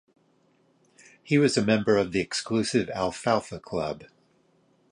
He was a member of the exclusive Alfalfa Club.